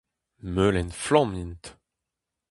Melen flamm int.